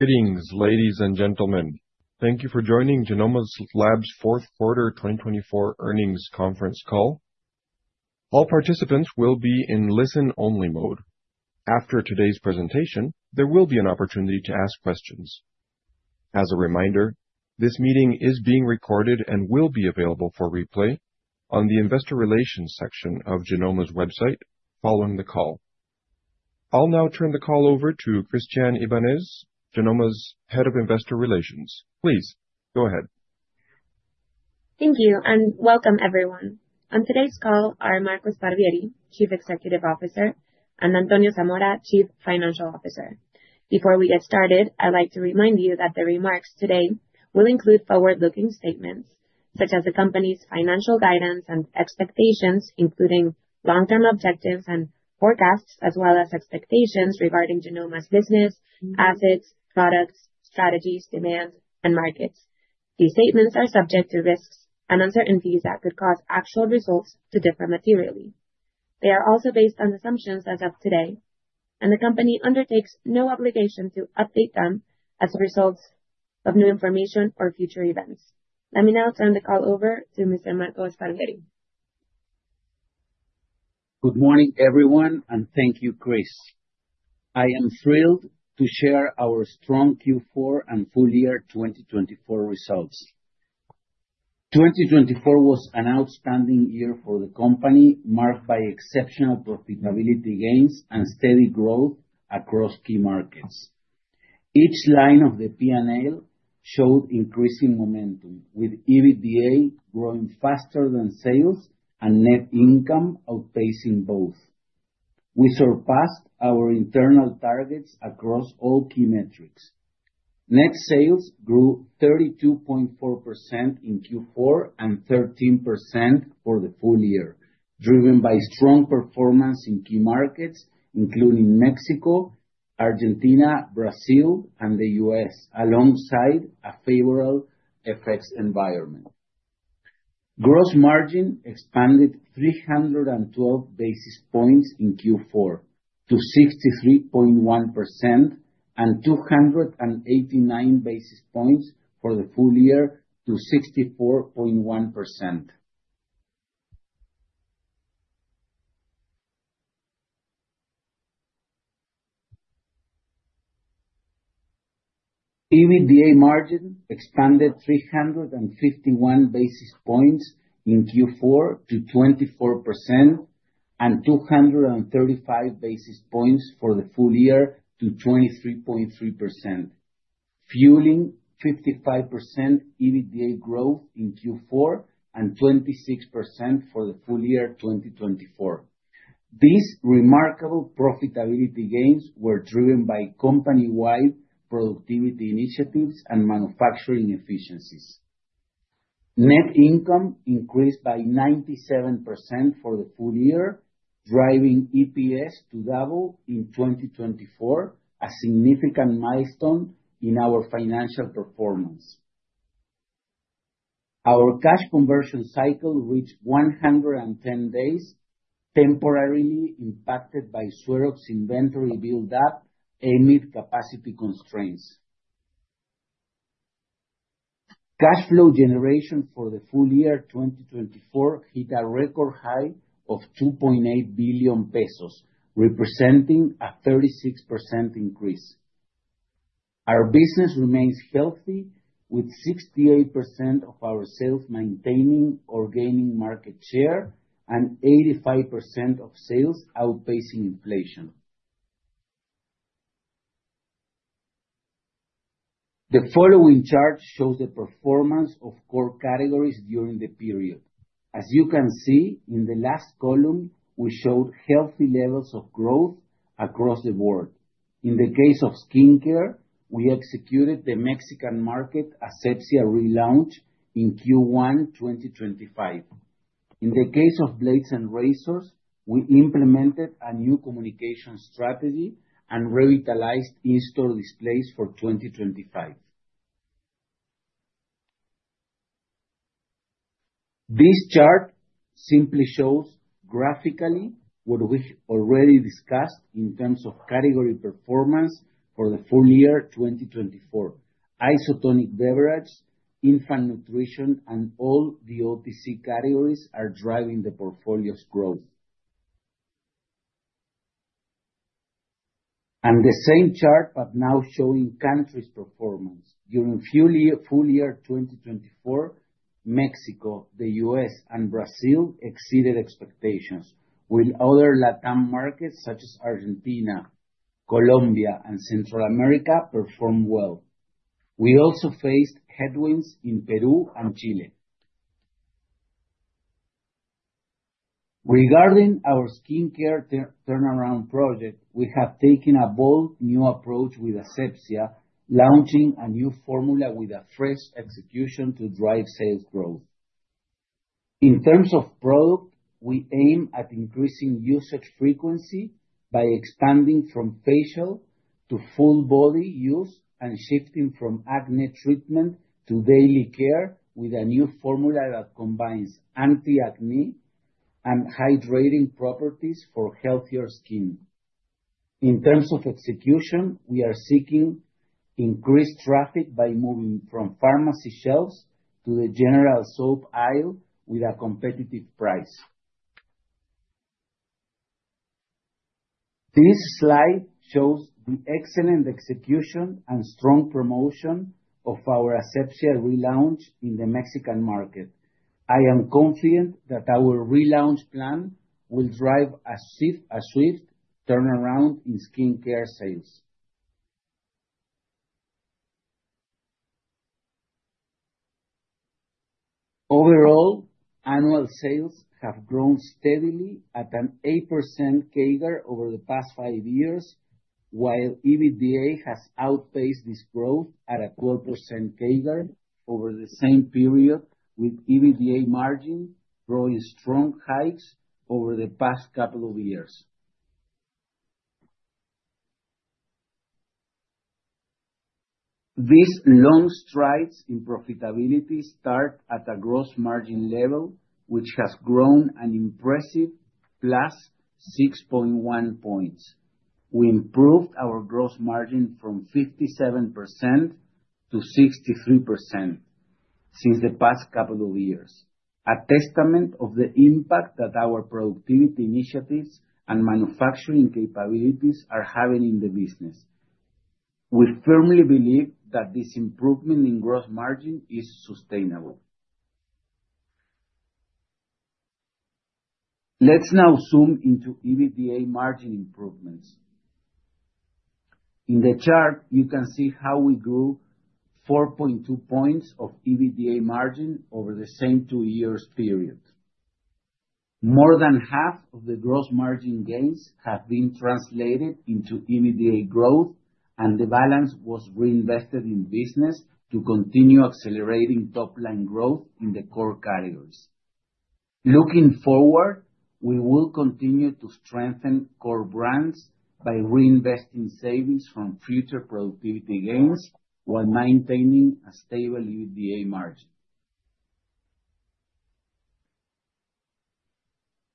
Greetings, ladies and gentlemen. Thank you for joining Genomma Lab's fourth quarter 2024 earnings conference call. All participants will be in listen-only mode. After today's presentation, there will be an opportunity to ask questions. As a reminder, this meeting is being recorded and will be available for replay on the Investor Relations section of Genomma's website following the call. I'll now turn the call over to Christianne Ibáñez, Genomma's Head of Investor Relations. Please go ahead. Thank you and welcome, everyone. On today's call are Marco Sparvieri, Chief Executive Officer, and Antonio Zamora, Chief Financial Officer. Before we get started, I'd like to remind you that the remarks today will include forward-looking statements such as the company's financial guidance and expectations, including long-term objectives and forecasts, as well as expectations regarding Genomma's business, assets, products, strategies, demand, and markets. These statements are subject to risks and uncertainties that could cause actual results to differ materially. They are also based on assumptions as of today, and the company undertakes no obligation to update them as a result of new information or future events. Let me now turn the call over to Mr. Marco Sparvieri. Good morning, everyone, and thank you, Chris. I am thrilled to share our strong Q4 and full year 2024 results. 2024 was an outstanding year for the company, marked by exceptional profitability gains and steady growth across key markets. Each line of the P&L showed increasing momentum, with EBITDA growing faster than sales and net income outpacing both. We surpassed our internal targets across all key metrics. Net sales grew 32.4% in Q4 and 13% for the full year, driven by strong performance in key markets, including Mexico, Argentina, Brazil, and the U.S., alongside a favorable FX environment. Gross margin expanded 312 basis points in Q4 to 63.1% and 289 basis points for the full year to 64.1%. EBITDA margin expanded 351 basis points in Q4 to 24% and 235 basis points for the full year to 23.3%, fueling 55% EBITDA growth in Q4 and 26% for the full year 2024. These remarkable profitability gains were driven by company-wide productivity initiatives and manufacturing efficiencies. Net income increased by 97% for the full year, driving EPS to double in 2024, a significant milestone in our financial performance. Our cash conversion cycle reached 110 days, temporarily impacted by Suerox's inventory build-up amid capacity constraints. Cash flow generation for the full year 2024 hit a record high of 2.8 billion pesos, representing a 36% increase. Our business remains healthy, with 68% of our sales maintaining or gaining market share and 85% of sales outpacing inflation. The following chart shows the performance of core categories during the period. As you can see, in the last column, we showed healthy levels of growth across the board. In the case of skincare, we executed the Mexican market Asepsia relaunch in Q1 2025. In the case of blades and razors, we implemented a new communication strategy and revitalized in-store displays for 2025. This chart simply shows graphically what we already discussed in terms of category performance for the full year 2024. Isotonic beverages, infant nutrition, and all the OTC categories are driving the portfolio's growth. And the same chart, but now showing countries' performance. During full year 2024, Mexico, the U.S., and Brazil exceeded expectations, while other Latin markets such as Argentina, Colombia, and Central America performed well. We also faced headwinds in Peru and Chile. Regarding our skincare turnaround project, we have taken a bold new approach with Asepsia, launching a new formula with a fresh execution to drive sales growth. In terms of product, we aim at increasing usage frequency by expanding from facial to full body use and shifting from acne treatment to daily care with a new formula that combines anti-acne and hydrating properties for healthier skin. In terms of execution, we are seeking increased traffic by moving from pharmacy shelves to the general soap aisle with a competitive price. This slide shows the excellent execution and strong promotion of our Asepsia relaunch in the Mexican market. I am confident that our relaunch plan will drive a swift turnaround in skincare sales. Overall, annual sales have grown steadily at an 8% CAGR over the past five years, while EBITDA has outpaced this growth at a 12% CAGR over the same period, with EBITDA margin drawing strong hikes over the past couple of years. These long strides in profitability start at a gross margin level, which has grown an impressive plus 6.1 points. We improved our gross margin from 57% to 63% since the past couple of years, a testament to the impact that our productivity initiatives and manufacturing capabilities are having in the business. We firmly believe that this improvement in gross margin is sustainable. Let's now zoom into EBITDA margin improvements. In the chart, you can see how we grew 4.2 points of EBITDA margin over the same two years' period. More than half of the gross margin gains have been translated into EBITDA growth, and the balance was reinvested in business to continue accelerating top-line growth in the core categories. Looking forward, we will continue to strengthen core brands by reinvesting savings from future productivity gains while maintaining a stable EBITDA margin.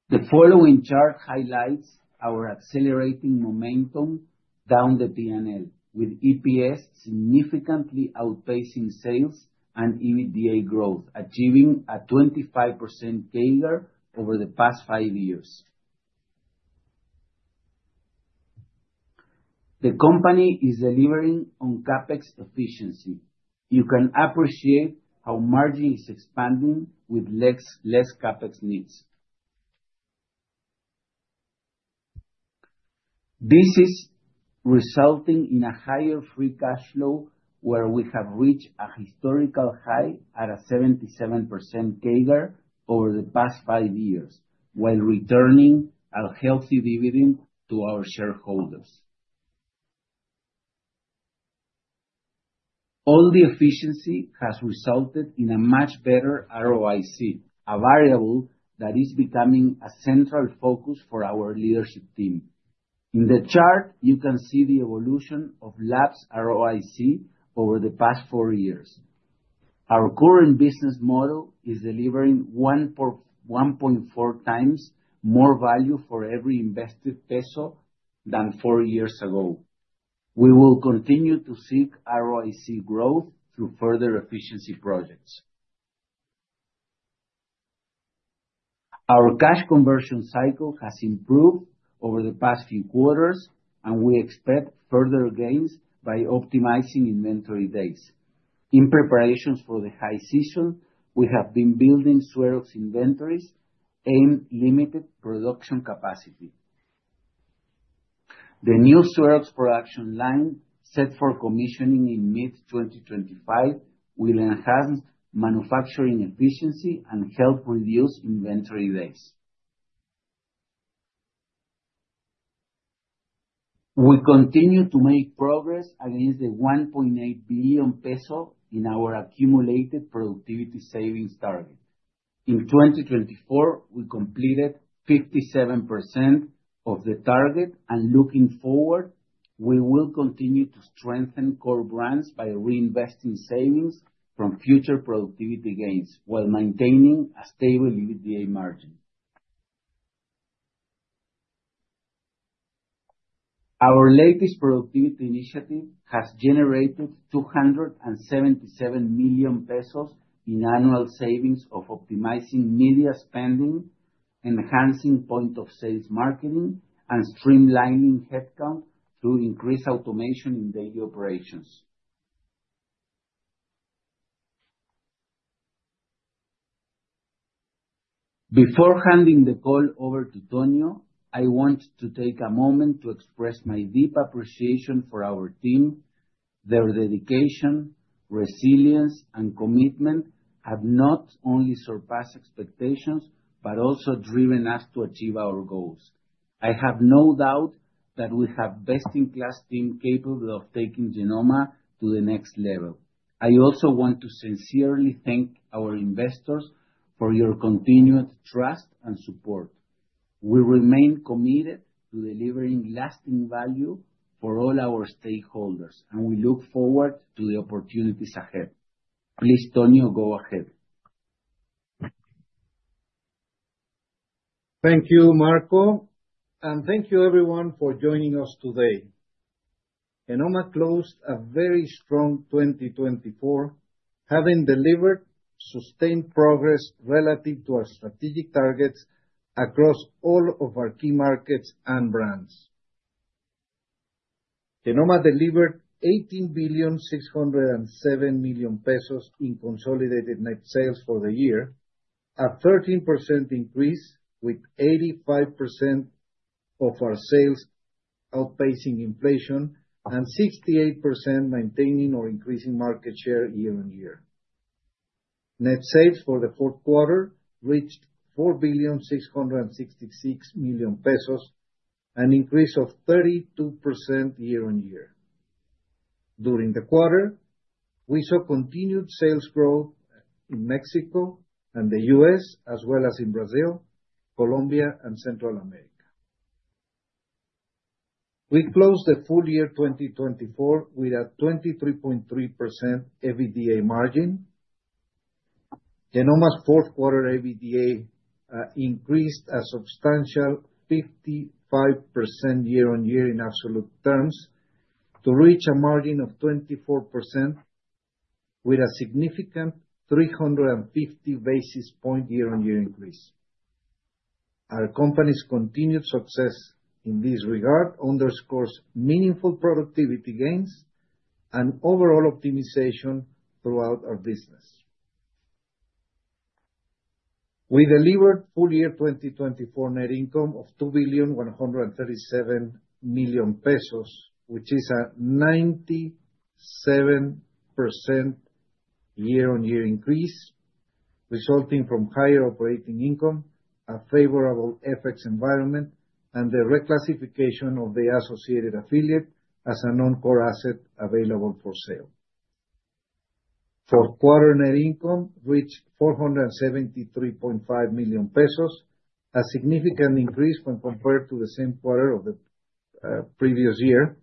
The following chart highlights our accelerating momentum down the P&L, with EPS significantly outpacing sales and EBITDA growth, achieving a 25% CAGR over the past five years. The company is delivering on CapEx efficiency. You can appreciate how margin is expanding with less CapEx needs. This is resulting in a higher free cash flow, where we have reached a historical high at a 77% CAGR over the past five years, while returning a healthy dividend to our shareholders. All the efficiency has resulted in a much better ROIC, a variable that is becoming a central focus for our leadership team. In the chart, you can see the evolution of Lab's ROIC over the past four years. Our current business model is delivering 1.4 times more value for every invested peso than four years ago. We will continue to seek ROIC growth through further efficiency projects. Our cash conversion cycle has improved over the past few quarters, and we expect further gains by optimizing inventory days. In preparations for the high season, we have been building Suerox inventories and limited production capacity. The new Suerox production line, set for commissioning in mid-2025, will enhance manufacturing efficiency and help reduce inventory days. We continue to make progress against the 1.8 billion peso in our accumulated productivity savings target. In 2024, we completed 57% of the target, and looking forward, we will continue to strengthen core brands by reinvesting savings from future productivity gains while maintaining a stable EBITDA margin. Our latest productivity initiative has generated 277 million pesos in annual savings of optimizing media spending, enhancing point-of-sale marketing, and streamlining headcount through increased automation in daily operations. Before handing the call over to Tonio, I want to take a moment to express my deep appreciation for our team. Their dedication, resilience, and commitment have not only surpassed expectations but also driven us to achieve our goals. I have no doubt that we have a best-in-class team capable of taking Genomma to the next level. I also want to sincerely thank our investors for your continued trust and support. We remain committed to delivering lasting value for all our stakeholders, and we look forward to the opportunities ahead. Please, Tonio, go ahead. Thank you, Marco, and thank you, everyone, for joining us today. Genomma Lab closed a very strong 2024, having delivered sustained progress relative to our strategic targets across all of our key markets and brands. Genomma Lab delivered 18.607 million pesos in consolidated net sales for the year, a 13% increase with 85% of our sales outpacing inflation and 68% maintaining or increasing market share year-on-year. Net sales for the fourth quarter reached 4.666 billion, an increase of 32% year-on-year. During the quarter, we saw continued sales growth in Mexico and the US, as well as in Brazil, Colombia, and Central America. We closed the full year 2024 with a 23.3% EBITDA margin. Genomma Lab's fourth quarter EBITDA increased a substantial 55% year-on-year in absolute terms to reach a margin of 24%, with a significant 350 basis points year-on-year increase. Our company's continued success in this regard underscores meaningful productivity gains and overall optimization throughout our business. We delivered full year 2024 net income of 2.137 billion, which is a 97% year-on-year increase, resulting from higher operating income, a favorable FX environment, and the reclassification of the associated affiliate as a non-core asset available for sale. Fourth quarter net income reached 473.5 million pesos, a significant increase when compared to the same quarter of the previous year,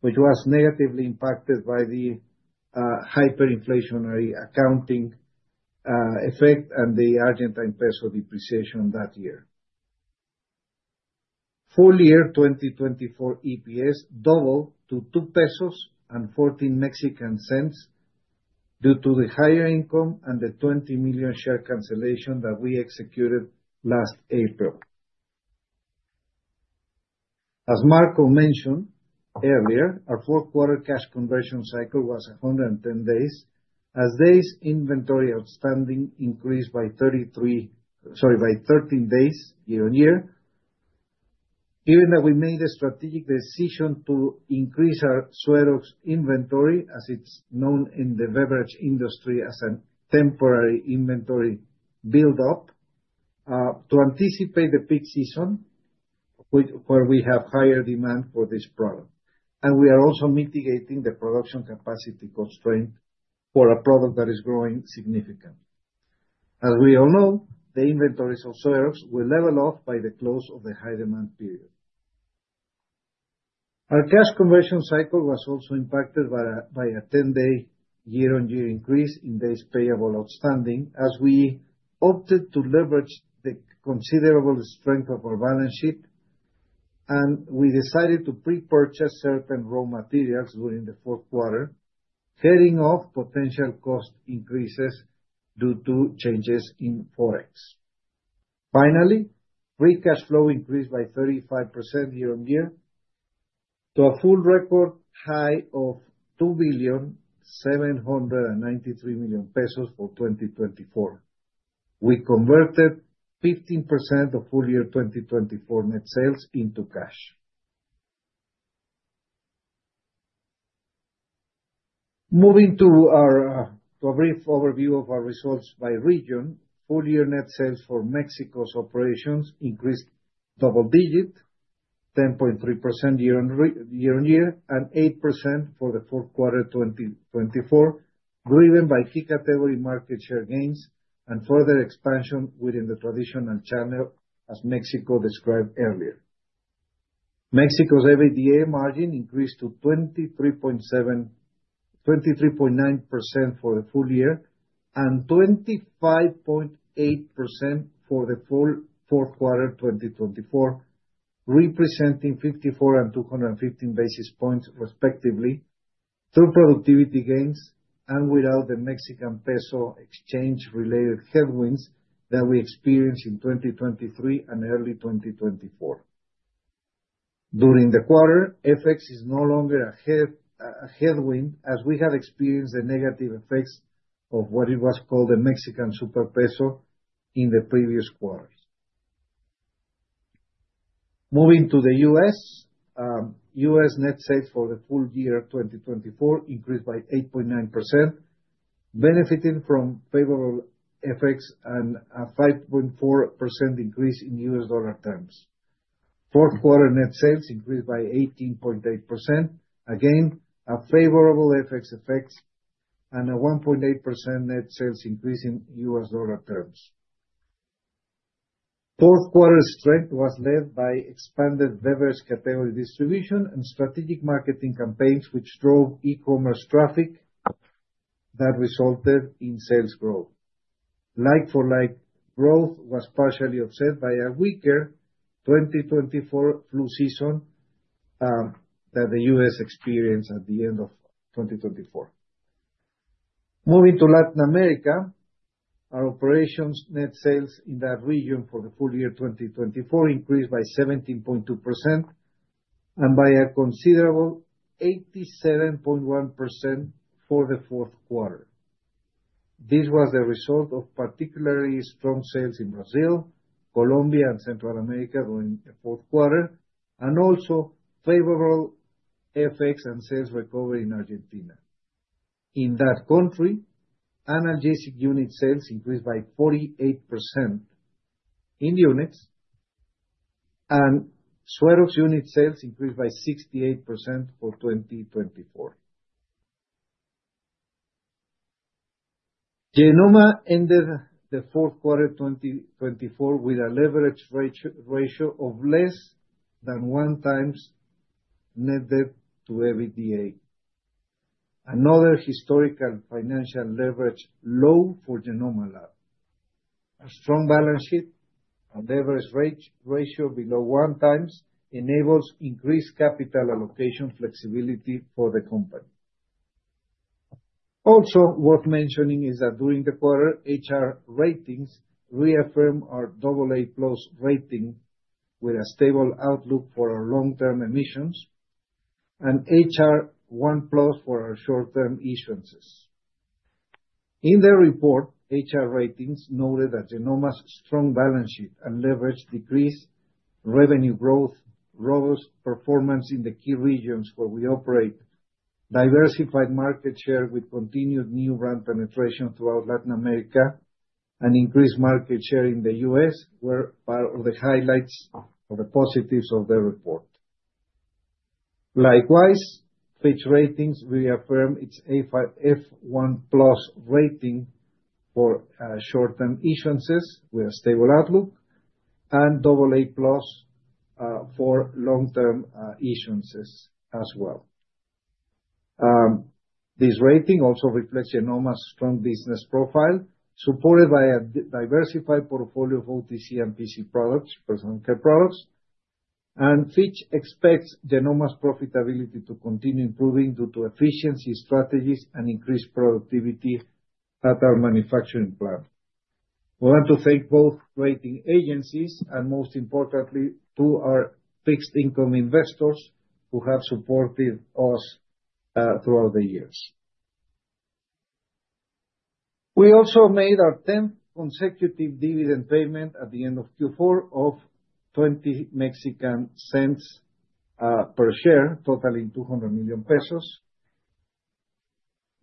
which was negatively impacted by the hyperinflationary accounting effect and the Argentine peso depreciation that year. Full year 2024 EPS doubled to 2.14 pesos due to the higher income and the 20 million share cancellation that we executed last April. As Marco mentioned earlier, our fourth quarter cash conversion cycle was 110 days, as day's inventory outstanding increased by 13 days year-on-year. Given that we made a strategic decision to increase our Suerox inventory, as it's known in the beverage industry as a temporary inventory build-up, to anticipate the peak season where we have higher demand for this product, and we are also mitigating the production capacity constraint for a product that is growing significantly. As we all know, the inventories of Suerox will level off by the close of the high-demand period. Our cash conversion cycle was also impacted by a 10-day year-on-year increase in day's payable outstanding, as we opted to leverage the considerable strength of our balance sheet, and we decided to pre-purchase certain raw materials during the fourth quarter, heading off potential cost increases due to changes in forex. Finally, free cash flow increased by 35% year-on-year to a full record high of 2.793 billion for 2024. We converted 15% of full year 2024 net sales into cash. Moving to a brief overview of our results by region, full year net sales for Mexico's operations increased double-digit, 10.3% year-on-year, and 8% for the fourth quarter 2024, driven by key category market share gains and further expansion within the traditional channel, as Mexico described earlier. Mexico's EBITDA margin increased to 23.9% for the full year and 25.8% for the full fourth quarter 2024, representing 54 and 215 basis points, respectively, through productivity gains and without the Mexican peso exchange-related headwinds that we experienced in 2023 and early 2024. During the quarter, FX is no longer a headwind, as we have experienced the negative effects of what was called the Mexican super peso in the previous quarters. Moving to the U.S., U.S. net sales for the full year 2024 increased by 8.9%, benefiting from favorable FX and a 5.4% increase in U.S. dollar terms. Fourth quarter net sales increased by 18.8%, again a favorable FX effect, and a 1.8% net sales increase in U.S. dollar terms. Fourth quarter strength was led by expanded beverage category distribution and strategic marketing campaigns, which drove e-commerce traffic that resulted in sales growth. Like-for-like growth was partially offset by a weaker 2024 flu season that the U.S. experienced at the end of 2024. Moving to Latin America, our operations net sales in that region for the full year 2024 increased by 17.2% and by a considerable 87.1% for the fourth quarter. This was the result of particularly strong sales in Brazil, Colombia, and Central America during the fourth quarter, and also favorable FX and sales recovery in Argentina. In that country, analgesic unit sales increased by 48% in units, and Suerox unit sales increased by 68% for 2024. Genomma ended the fourth quarter 2024 with a leverage ratio of less than one times net debt to EBITDA, another historical financial leverage low for Genomma Lab. A strong balance sheet and leverage ratio below one times enables increased capital allocation flexibility for the company. Also, worth mentioning is that during the quarter, HR Ratings reaffirmed our AA+ rating with a stable outlook for our long-term issuances and HR+1 for our short-term issuances. In their report, HR Ratings noted that Genomma's strong balance sheet and decreased leverage, revenue growth, robust performance in the key regions where we operate, diversified market share with continued new brand penetration throughout Latin America, and increased market share in the U.S. were part of the highlights or the positives of the report. Likewise, Fitch Ratings reaffirmed its F1+ rating for short-term issuances with a stable outlook and AA+ for long-term issuances as well. This rating also reflects Genomma's strong business profile, supported by a diversified portfolio of OTC and PC products, personal care products, and Fitch expects Genomma's profitability to continue improving due to efficiency strategies and increased productivity at our manufacturing plant. We want to thank both rating agencies and, most importantly, to our fixed-income investors who have supported us throughout the years. We also made our 10th consecutive dividend payment at the end of Q4 of 0.20 per share, totaling 200 million pesos.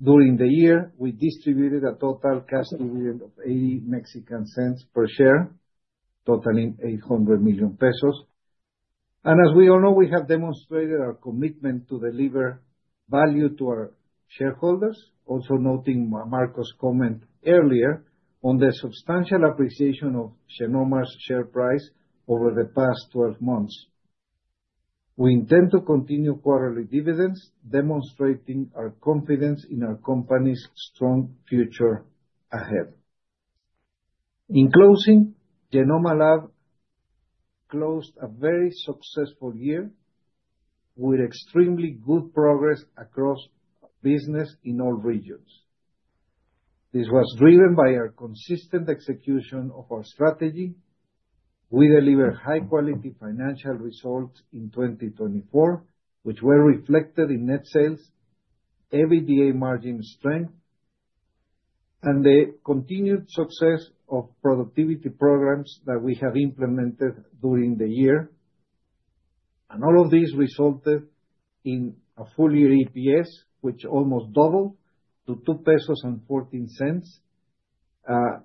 During the year, we distributed a total cash dividend of 0.80 per share, totaling 800 million pesos. As we all know, we have demonstrated our commitment to deliver value to our shareholders, also noting Marco's comment earlier on the substantial appreciation of Genomma's share price over the past 12 months. We intend to continue quarterly dividends, demonstrating our confidence in our company's strong future ahead. In closing, Genomma Lab closed a very successful year with extremely good progress across business in all regions. This was driven by our consistent execution of our strategy. We delivered high-quality financial results in 2024, which were reflected in net sales, EBITDA margin strength, and the continued success of productivity programs that we have implemented during the year. All of these resulted in a full year EPS, which almost doubled to 2.14 pesos,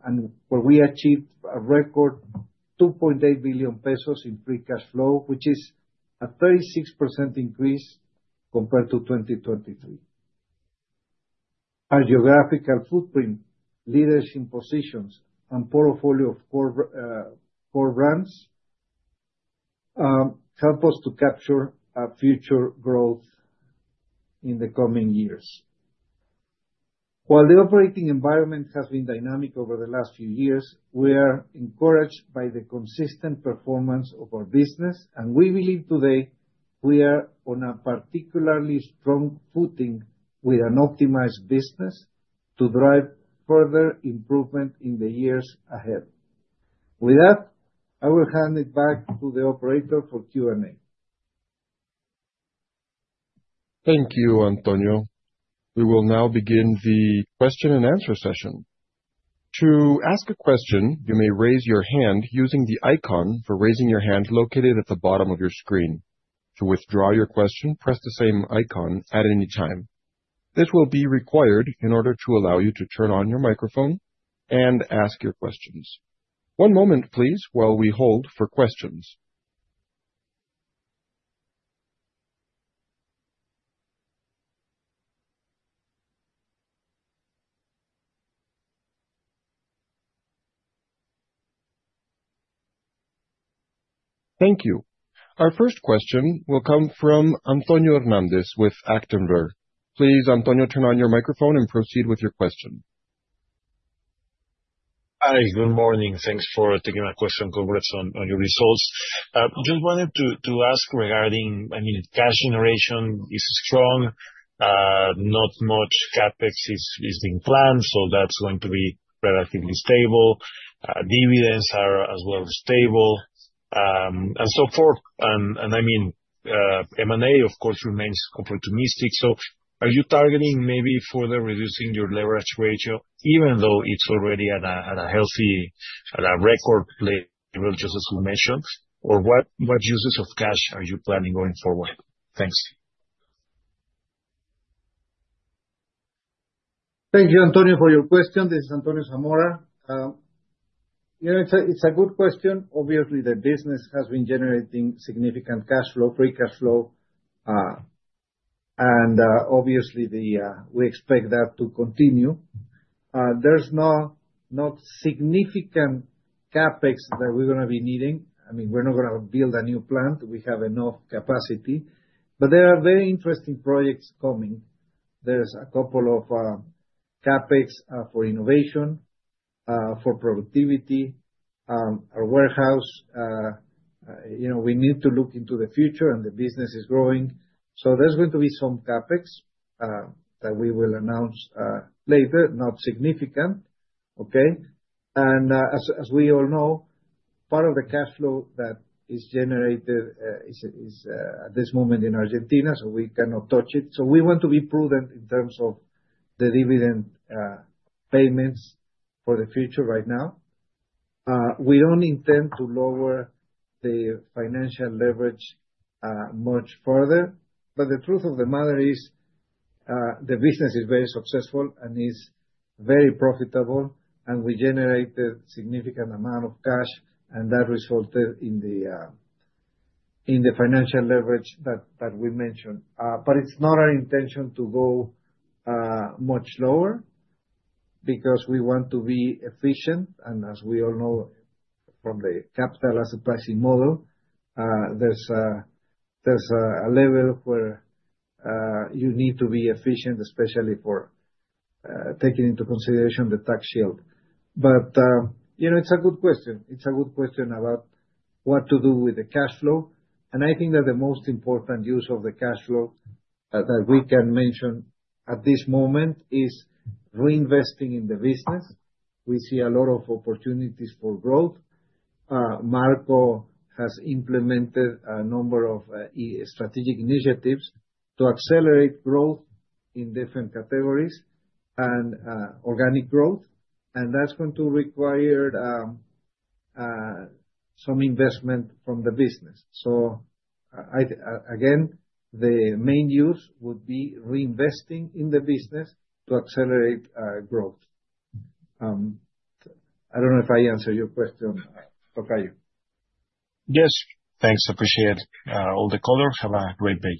and where we achieved a record 2.8 billion pesos in free cash flow, which is a 36% increase compared to 2023. Our geographical footprint, leadership positions, and portfolio of core brands help us to capture future growth in the coming years. While the operating environment has been dynamic over the last few years, we are encouraged by the consistent performance of our business, and we believe today we are on a particularly strong footing with an optimized business to drive further improvement in the years ahead. With that, I will hand it back to the operator for Q&A. Thank you, Antonio. We will now begin the question-and-answer session. To ask a question, you may raise your hand using the icon for raising your hand located at the bottom of your screen. To withdraw your question, press the same icon at any time. This will be required in order to allow you to turn on your microphone and ask your questions. One moment, please, while we hold for questions. Thank you. Our first question will come from Antonio Hernández with Actinver. Please, Antonio, turn on your microphone and proceed with your question. Hi, good morning. Thanks for taking my question. Congrats on your results. Just wanted to ask regarding, I mean, cash generation is strong, not much CapEx is being planned, so that's going to be relatively stable. Dividends are as well as stable and so forth. And I mean, M&A, of course, remains opportunistic. So are you targeting maybe further reducing your leverage ratio, even though it's already at a healthy, at a record level, just as we mentioned, or what uses of cash are you planning going forward? Thanks. Thank you, Antonio, for your question. This is Antonio Zamora. It's a good question. Obviously, the business has been generating significant cash flow, free cash flow, and obviously, we expect that to continue. There's not significant CapEx that we're going to be needing. I mean, we're not going to build a new plant. We have enough capacity. But there are very interesting projects coming. There's a couple of CapEx for innovation, for productivity, our warehouse. We need to look into the future, and the business is growing. So there's going to be some CapEx that we will announce later, not significant. Okay. And as we all know, part of the cash flow that is generated is at this moment in Argentina, so we cannot touch it. So we want to be prudent in terms of the dividend payments for the future right now. We don't intend to lower the financial leverage much further. But the truth of the matter is the business is very successful and is very profitable, and we generated a significant amount of cash, and that resulted in the financial leverage that we mentioned. But it's not our intention to go much lower because we want to be efficient. And as we all know from the capital asset pricing model, there's a level where you need to be efficient, especially for taking into consideration the tax shield. But it's a good question. It's a good question about what to do with the cash flow. And I think that the most important use of the cash flow that we can mention at this moment is reinvesting in the business. We see a lot of opportunities for growth. Marco has implemented a number of strategic initiatives to accelerate growth in different categories and organic growth. That's going to require some investment from the business. So again, the main use would be reinvesting in the business to accelerate growth. I don't know if I answered your question, Tocayo. Yes. Thanks. Appreciate all the callers. Have a great day.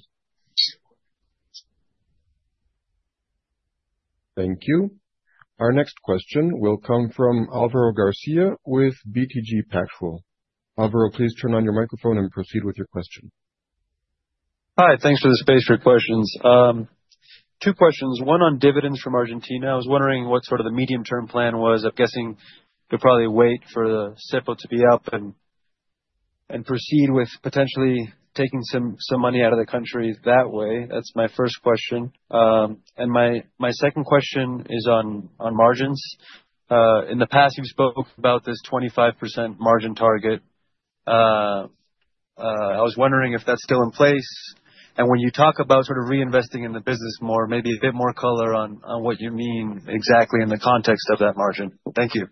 Thank you. Our next question will come from Álvaro García with BTG Pactual. Álvaro, please turn on your microphone and proceed with your question. Hi. Thanks for the space for questions. Two questions. One on dividends from Argentina. I was wondering what sort of the medium-term plan was. I'm guessing you'll probably wait for the cepo to be up and proceed with potentially taking some money out of the country that way. That's my first question. And my second question is on margins. In the past, you've spoke about this 25% margin target. I was wondering if that's still in place. When you talk about sort of reinvesting in the business more, maybe a bit more color on what you mean exactly in the context of that margin. Thank you.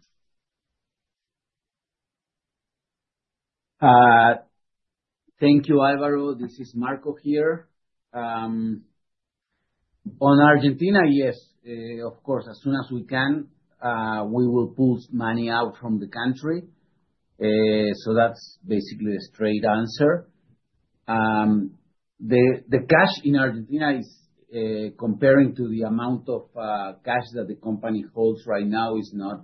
Thank you, Álvaro. This is Marco here. On Argentina, yes, of course. As soon as we can, we will pull money out from the country. So that's basically the straight answer. The cash in Argentina, comparing to the amount of cash that the company holds right now, is not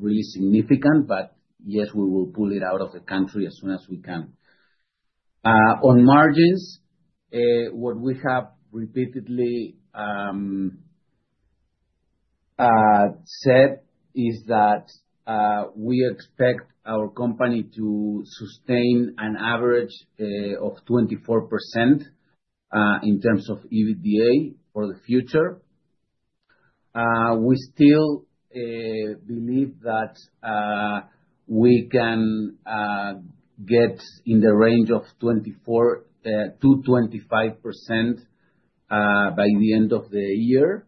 really significant, but yes, we will pull it out of the country as soon as we can. On margins, what we have repeatedly said is that we expect our company to sustain an average of 24% in terms of EBITDA for the future. We still believe that we can get in the range of 24%-25% by the end of the year.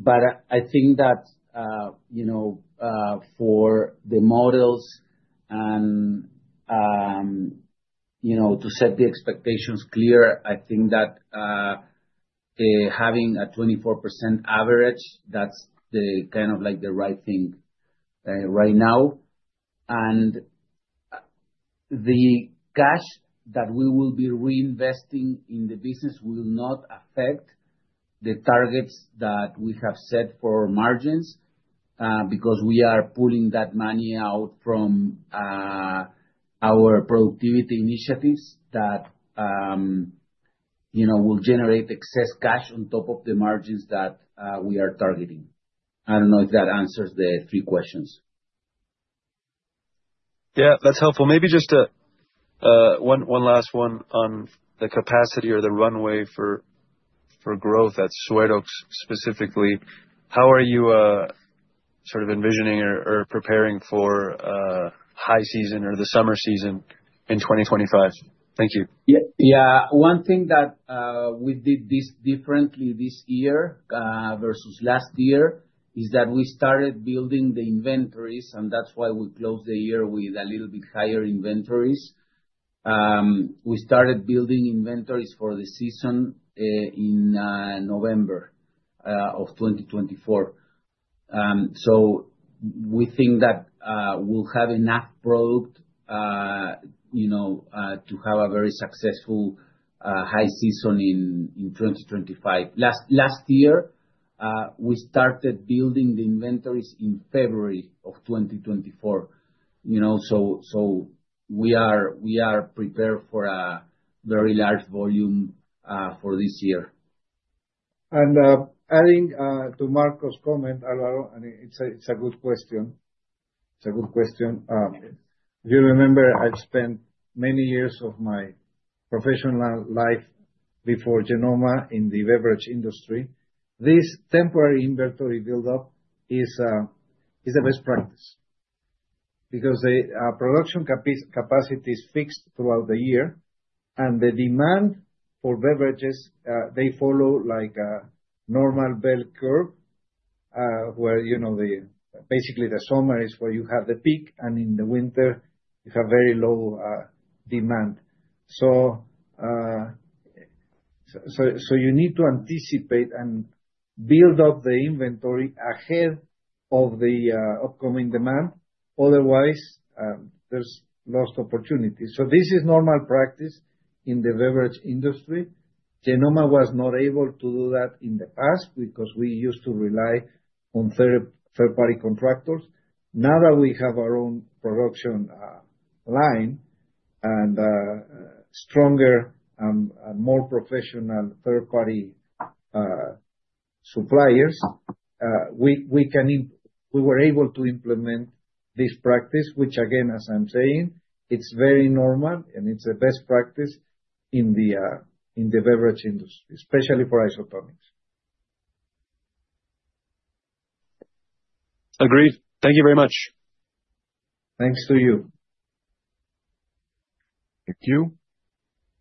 But I think that for the models and to set the expectations clear, I think that having a 24% average, that's kind of like the right thing right now. And the cash that we will be reinvesting in the business will not affect the targets that we have set for margins because we are pulling that money out from our productivity initiatives that will generate excess cash on top of the margins that we are targeting. I don't know if that answers the three questions. Yeah, that's helpful. Maybe just one last one on the capacity or the runway for growth at Suerox specifically. How are you sort of envisioning or preparing for high season or the summer season in 2025? Thank you. Yeah. One thing that we did differently this year versus last year is that we started building the inventories, and that's why we closed the year with a little bit higher inventories. We started building inventories for the season in November of 2024. So we think that we'll have enough product to have a very successful high season in 2025. Last year, we started building the inventories in February of 2024. So we are prepared for a very large volume for this year. And adding to Marco's comment, Álvaro, I mean, it's a good question. It's a good question. You remember I've spent many years of my professional life before Genomma in the beverage industry. This temporary inventory build-up is a best practice because the production capacity is fixed throughout the year, and the demand for beverages, they follow like a normal bell curve where basically the summer is where you have the peak, and in the winter, you have very low demand. So you need to anticipate and build up the inventory ahead of the upcoming demand. Otherwise, there's lost opportunity. So this is normal practice in the beverage industry. Genomma was not able to do that in the past because we used to rely on third-party contractors. Now that we have our own production line and stronger and more professional third-party suppliers, we were able to implement this practice, which, again, as I'm saying, it's very normal, and it's the best practice in the beverage industry, especially for isotonics. Agreed. Thank you very much. Thanks to you. Thank you.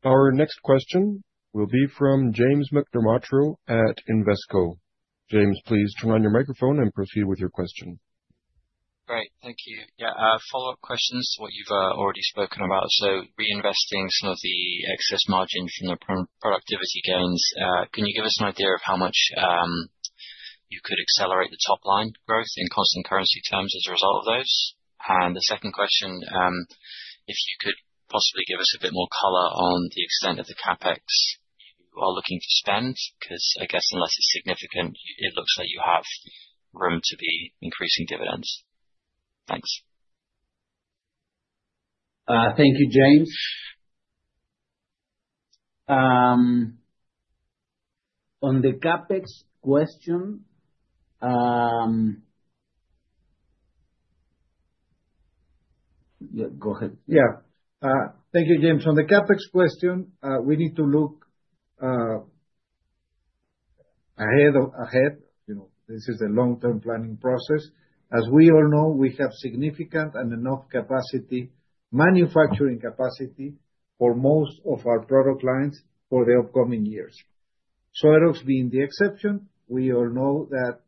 Our next question will be from James McDermottroe at Invesco. James, please turn on your microphone and proceed with your question. Great. Thank you. Yeah. Follow-up questions, what you've already spoken about. So reinvesting some of the excess margin from the productivity gains, can you give us an idea of how much you could accelerate the top-line growth in constant currency terms as a result of those? And the second question, if you could possibly give us a bit more color on the extent of the CapEx you are looking to spend because I guess unless it's significant, it looks like you have room to be increasing dividends. Thanks. Thank you, James. On the CapEx question yeah, go ahead. Yeah. Thank you, James. On the CapEx question, we need to look ahead. This is a long-term planning process. As we all know, we have significant and enough capacity, manufacturing capacity for most of our product lines for the upcoming years. Suerox being the exception, we all know that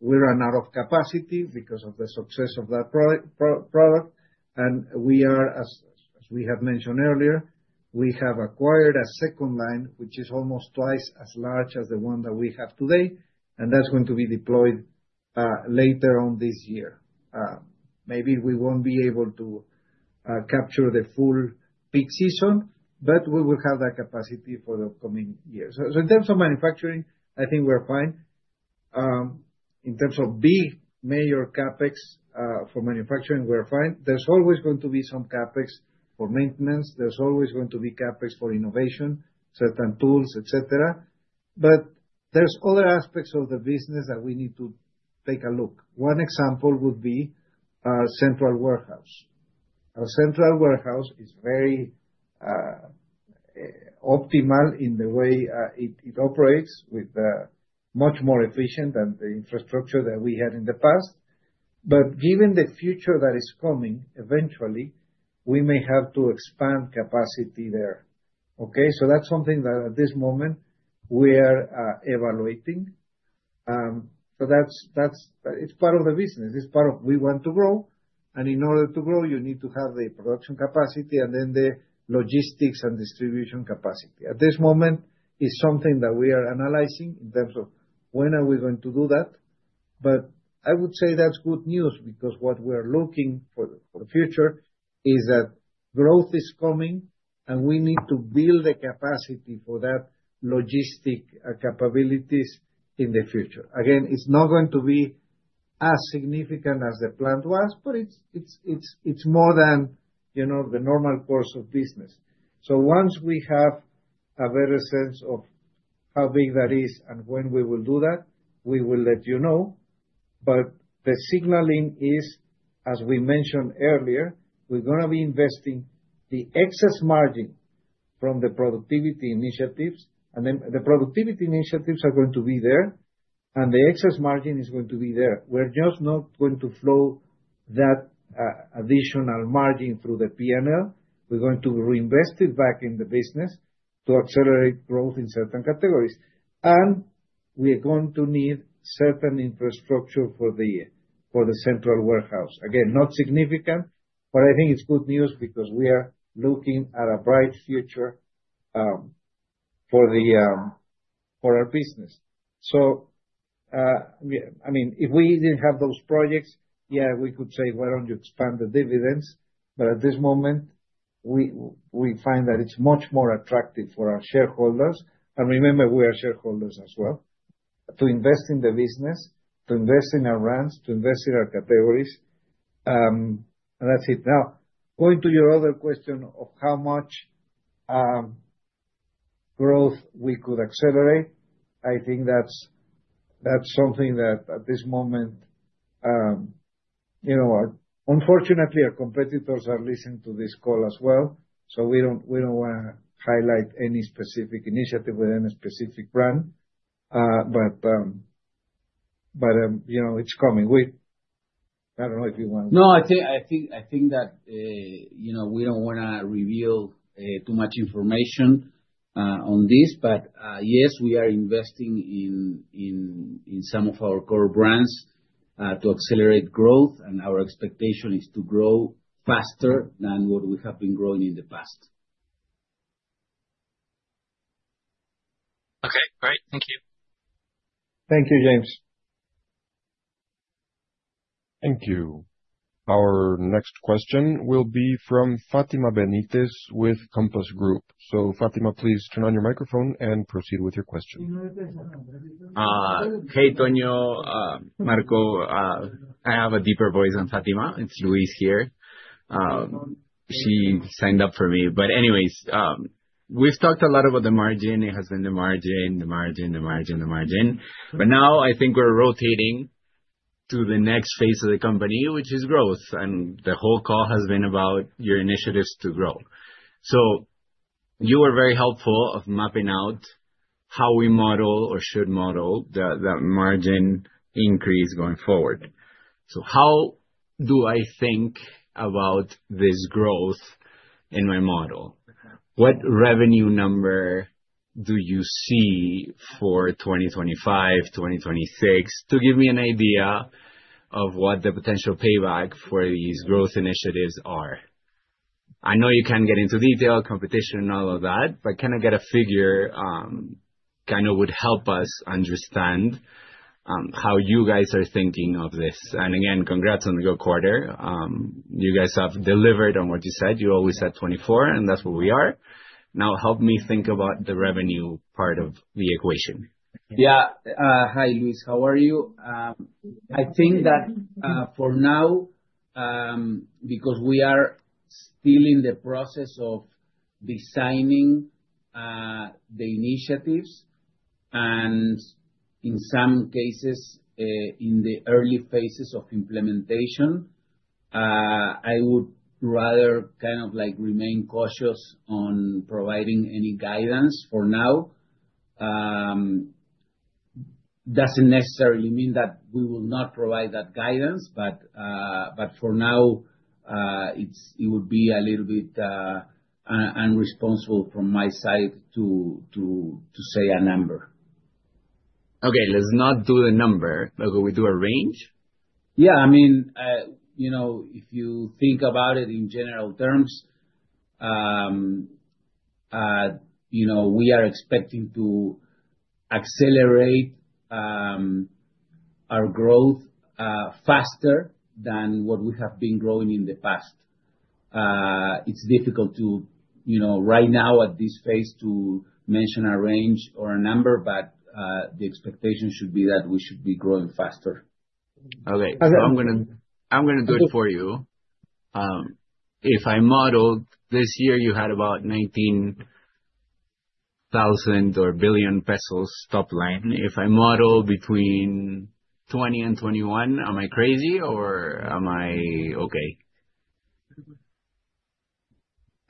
we ran out of capacity because of the success of that product. And we are, as we have mentioned earlier, we have acquired a second line, which is almost twice as large as the one that we have today, and that's going to be deployed later on this year. Maybe we won't be able to capture the full peak season, but we will have that capacity for the upcoming year. So in terms of manufacturing, I think we're fine. In terms of big major CapEx for manufacturing, we're fine. There's always going to be some CapEx for maintenance. There's always going to be CapEx for innovation, certain tools, etc. But there's other aspects of the business that we need to take a look. One example would be our central warehouse. Our central warehouse is very optimal in the way it operates, much more efficient than the infrastructure that we had in the past. But given the future that is coming, eventually, we may have to expand capacity there. Okay? So that's something that at this moment we are evaluating. So it's part of the business. It's part of we want to grow. And in order to grow, you need to have the production capacity and then the logistics and distribution capacity. At this moment, it's something that we are analyzing in terms of when are we going to do that. But I would say that's good news because what we're looking for in the future is that growth is coming, and we need to build the capacity for that logistics capabilities in the future. Again, it's not going to be as significant as the plant was, but it's more than the normal course of business. So once we have a better sense of how big that is and when we will do that, we will let you know. But the signaling is, as we mentioned earlier, we're going to be investing the excess margin from the productivity initiatives. And then the productivity initiatives are going to be there, and the excess margin is going to be there. We're just not going to flow that additional margin through the P&L. We're going to reinvest it back in the business to accelerate growth in certain categories. And we are going to need certain infrastructure for the central warehouse. Again, not significant, but I think it's good news because we are looking at a bright future for our business. So I mean, if we didn't have those projects, yeah, we could say, "Why don't you expand the dividends?" But at this moment, we find that it's much more attractive for our shareholders. And remember, we are shareholders as well. To invest in the business, to invest in our brands, to invest in our categories. And that's it. Now, going to your other question of how much growth we could accelerate, I think that's something that at this moment, unfortunately, our competitors are listening to this call as well. So we don't want to highlight any specific initiative with any specific brand. But it's coming. I don't know if you want to. No, I think that we don't want to reveal too much information on this. But yes, we are investing in some of our core brands to accelerate growth, and our expectation is to grow faster than what we have been growing in the past. Okay. Great. Thank you. Thank you, James. Thank you. Our next question will be from Fátima Benítez with Compass Group. So Fátima, please turn on your microphone and proceed with your question. Hey, Tonio, Marco, I have a deeper voice than Fátima. It's Luis here. She signed up for me. But anyways, we've talked a lot about the margin. It has been the margin, the margin, the margin, the margin. But now I think we're rotating to the next phase of the company, which is growth. And the whole call has been about your initiatives to grow. So you were very helpful in mapping out how we model or should model that margin increase going forward. So how do I think about this growth in my model? What revenue number do you see for 2025, 2026, to give me an idea of what the potential payback for these growth initiatives are? I know you can't get into detail, competition, all of that, but can I get a figure kind of would help us understand how you guys are thinking of this? And again, congrats on the good quarter. You guys have delivered on what you said. You always said 24, and that's where we are. Now, help me think about the revenue part of the equation. Yeah. Hi, Luis. How are you? I think that for now, because we are still in the process of designing the initiatives and in some cases in the early phases of implementation, I would rather kind of remain cautious on providing any guidance for now. Doesn't necessarily mean that we will not provide that guidance, but for now, it would be a little bit irresponsible from my side to say a number. Okay. Let's not do a number. We'll do a range. Yeah. I mean, if you think about it in general terms, we are expecting to accelerate our growth faster than what we have been growing in the past. It's difficult right now at this phase to mention a range or a number, but the expectation should be that we should be growing faster. Okay. So I'm going to do it for you. If I modeled this year, you had about 19 billion pesos top line. If I model between 20 billion and 21 billion, am I crazy or am I okay?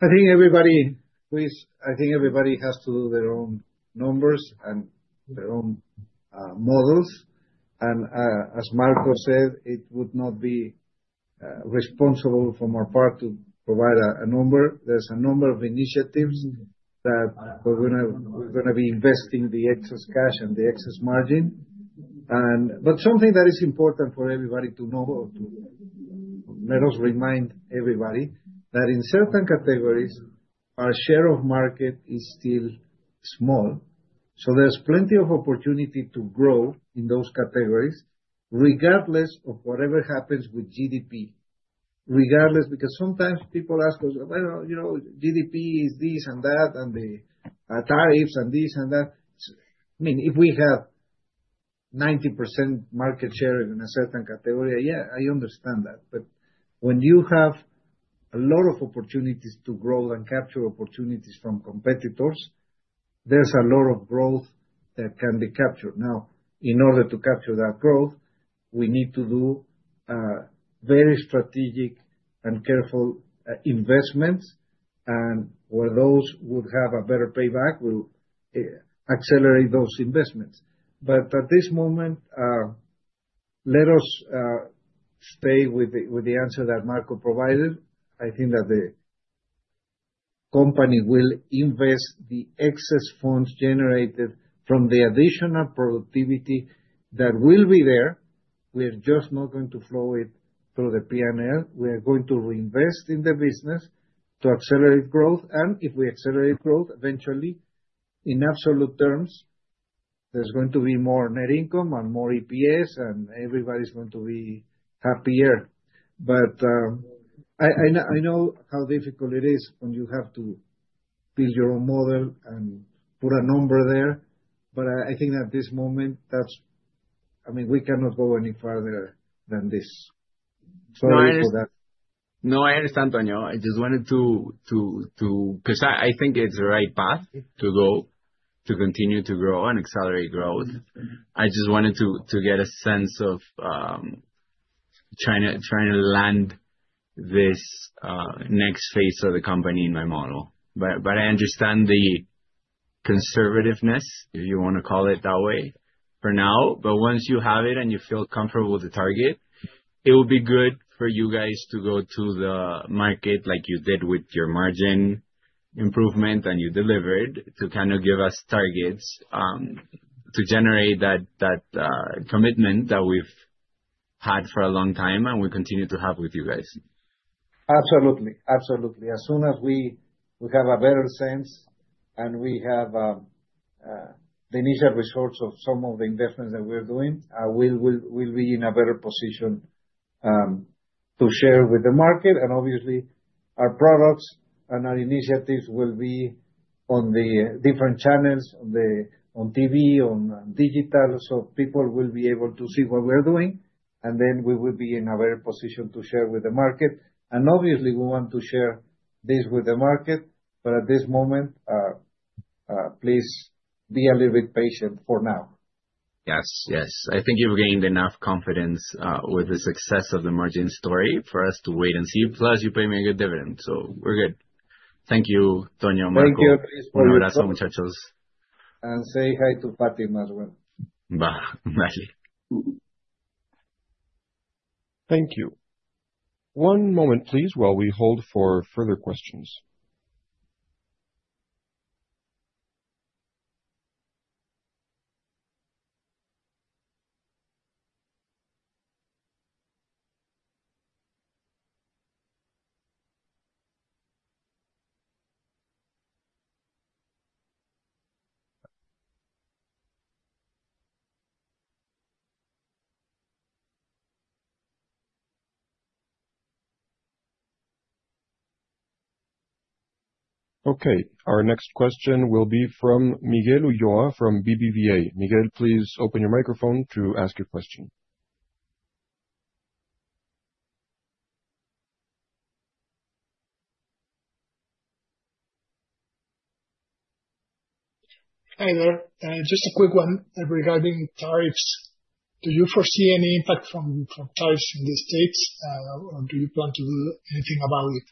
I think everybody has to do their own numbers and their own models. And as Marco said, it would not be responsible from our part to provide a number. There's a number of initiatives that we're going to be investing the excess cash and the excess margin. But something that is important for everybody to know or to let us remind everybody that in certain categories, our share of market is still small. So there's plenty of opportunity to grow in those categories regardless of whatever happens with GDP. Because sometimes people ask us, "GDP is this and that and the tariffs and this and that." I mean, if we have 90% market share in a certain category, yeah, I understand that. But when you have a lot of opportunities to grow and capture opportunities from competitors, there's a lot of growth that can be captured. Now, in order to capture that growth, we need to do very strategic and careful investments. And where those would have a better payback, we'll accelerate those investments. But at this moment, let us stay with the answer that Marco provided. I think that the company will invest the excess funds generated from the additional productivity that will be there. We are just not going to flow it through the P&L. We are going to reinvest in the business to accelerate growth. And if we accelerate growth, eventually, in absolute terms, there's going to be more net income and more EPS, and everybody's going to be happier. But I know how difficult it is when you have to build your own model and put a number there. But I think at this moment, I mean, we cannot go any farther than this. Sorry for that. No, I understand, Tonio. I just wanted to because I think it's the right path to continue to grow and accelerate growth. I just wanted to get a sense of trying to land this next phase of the company in my model. But I understand the conservativeness, if you want to call it that way, for now. But once you have it and you feel comfortable with the target, it would be good for you guys to go to the market like you did with your margin improvement and you delivered to kind of give us targets to generate that commitment that we've had for a long time and we continue to have with you guys. Absolutely. Absolutely. As soon as we have a better sense and we have the initial results of some of the investments that we're doing, we'll be in a better position to share with the market. And obviously, our products and our initiatives will be on the different channels, on TV, on digital. So people will be able to see what we're doing. And then we will be in a better position to share with the market. And obviously, we want to share this with the market. But at this moment, please be a little bit patient for now. Yes. Yes. I think you've gained enough confidence with the success of the margin story for us to wait and see. Plus, you pay me a good dividend, so we're good. Thank you, Tonio, Marco. Thank you. Please forward. We will have some more questions and say hi to Fátima as well. Bye. Thank you. One moment, please, while we hold for further questions. Okay. Our next question will be from Miguel Ulloa from BBVA. Miguel, please open your microphone to ask your question. Hi there. Just a quick one regarding tariffs. Do you foresee any impact from tariffs in the States, or do you plan to do anything about it?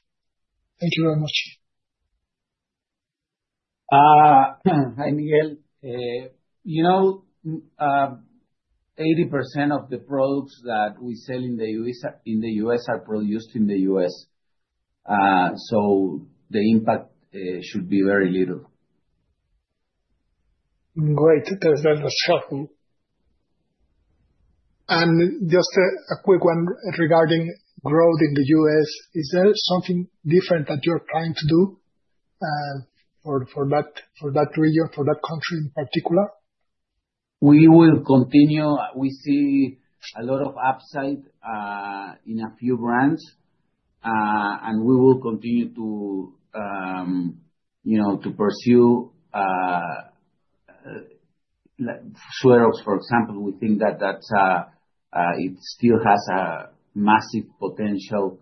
Thank you very much. Hi, Miguel. 80% of the products that we sell in the U.S. are produced in the U.S. So the impact should be very little. Great. That's helpful, and just a quick one regarding growth in the U.S. Is there something different that you're trying to do for that region, for that country in particular? We will continue. We see a lot of upside in a few brands, and we will continue to pursue Suerox, for example. We think that it still has a massive potential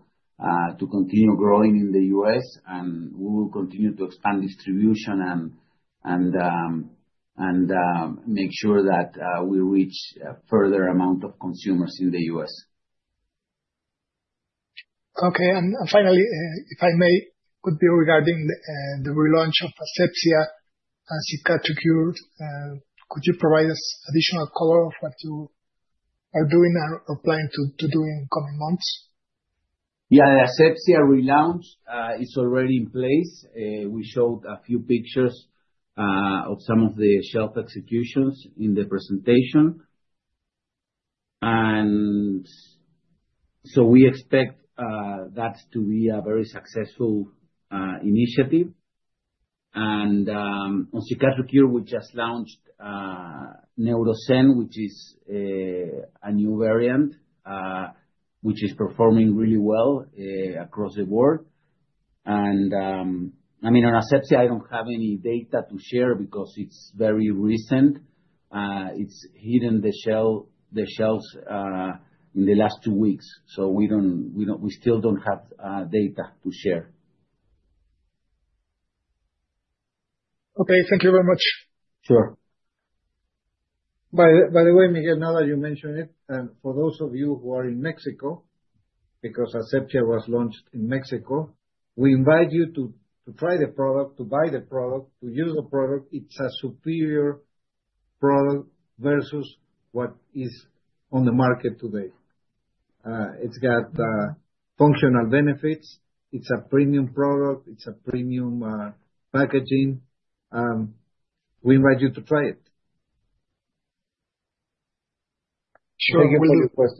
to continue growing in the U.S., and we will continue to expand distribution and make sure that we reach a further amount of consumers in the U.S. Okay, and finally, if I may, it could be regarding the relaunch of Asepsia and Cicatricure. Could you provide us additional color of what you are doing or planning to do in the coming months? Yeah. The Asepsia relaunch is already in place. We showed a few pictures of some of the shelf executions in the presentation. And so we expect that to be a very successful initiative. And on Cicatricure, we just launched Neurosen, which is a new variant, which is performing really well across the board. And I mean, on Asepsia, I don't have any data to share because it's very recent. It's hit the shelves in the last two weeks. So we still don't have data to share. Okay. Thank you very much. Sure. By the way, Miguel, now that you mentioned it, for those of you who are in Mexico, because Asepsia was launched in Mexico, we invite you to try the product, to buy the product, to use the product. It's a superior product versus what is on the market today. It's got functional benefits. It's a premium product. It's a premium packaging. We invite you to try it. Sure. Thank you for your.